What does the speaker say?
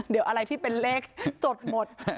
เดี๋ยวอะไรที่เป็นเลขจดหมด